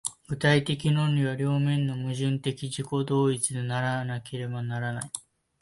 具体的論理は両面の矛盾的自己同一でなければならない。